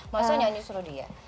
masa nyanyi suruh dia